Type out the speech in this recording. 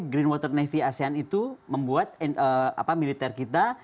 green water navy asean itu membuat militer kita